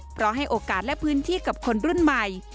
เพราะให้โอกาสและพื้นที่กับคนรุ่นใหม่